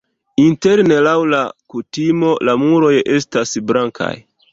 Interne laŭ la kutimo la muroj estas blankaj.